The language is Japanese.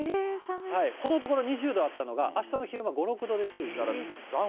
このところ２０度あったのがあしたの昼間５、６度ですから。